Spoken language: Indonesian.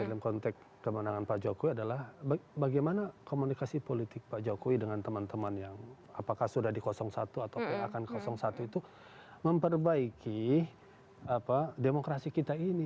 dalam konteks kemenangan pak jokowi adalah bagaimana komunikasi politik pak jokowi dengan teman teman yang apakah sudah di satu atau akan satu itu memperbaiki demokrasi kita ini